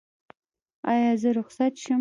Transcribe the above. ایا زه رخصت شم؟